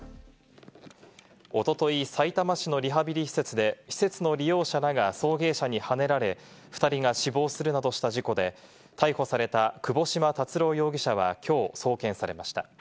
一昨日さいたま市のリハビリ施設で、施設の利用者らが送迎車にはねられ、２人が死亡するなどした事故で、逮捕された、窪島達郎容疑者はきょう送検されました。